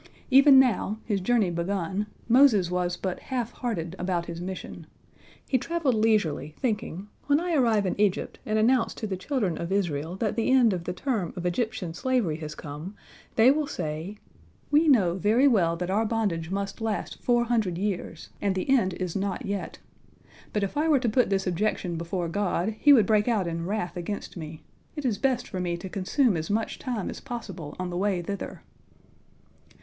Even now, his journey begun, Moses was but half hearted about his mission. He travelled leisurely, thinking: "When I arrive in Egypt and announce to the children of Israel that the end of the term of Egyptian slavery has come, they will say, 'We know very well that our bondage must last four hundred years, and the end is not yet,' but if I were to put this objection before God, He would break out in wrath against me. It is best for me to consume as much time as possible on the way thither."